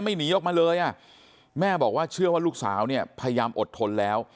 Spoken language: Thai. หนีออกมาเลยอ่ะแม่บอกว่าเชื่อว่าลูกสาวเนี่ยพยายามอดทนแล้ว